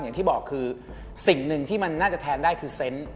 อย่างที่บอกคือสิ่งหนึ่งที่มันน่าจะแทนได้คือเซนต์